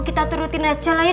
kita turutin aja lah ya